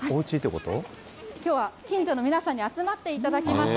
きょうは近所の皆さんに集まっていただきました。